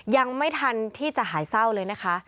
ยังไม่ทันที่จะหายเศร้าเลยนะคะ